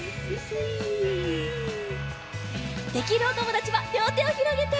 できるおともだちはりょうてをひろげて！